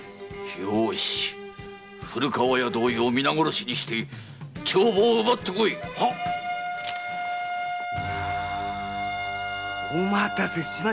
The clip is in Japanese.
古河屋同様皆殺しにして帳簿を奪ってこい！お待たせしました。